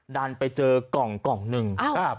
ดันไปเจอกล่องหนึ่ง